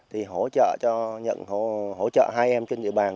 hỗ trợ hai em trên địa bàn